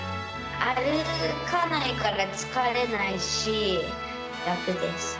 歩かないから疲れないし、楽です。